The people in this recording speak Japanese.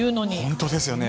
本当ですよね。